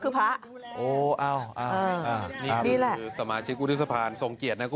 ขอดูหน่อยสิ